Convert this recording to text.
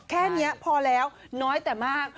แค่นี้พอแล้วน้อยแต่มาก